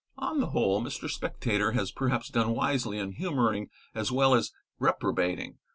On the whole Mr. Spectator has perhaps done wisely in humouring as well as reprobating.